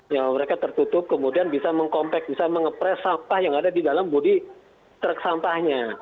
ya mereka tertutup kemudian bisa mengepress sampah yang ada di dalam bodi truk sampahnya